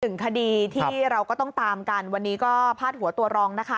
หนึ่งคดีที่เราก็ต้องตามกันวันนี้ก็พาดหัวตัวรองนะคะ